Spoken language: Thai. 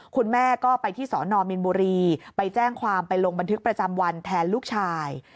คุณแม่ก็ไปที่สอนอมมินบุรีไปแจ้งความไปลงบันทึกประจำวันแทนลูกชาย